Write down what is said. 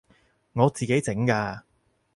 我自己整㗎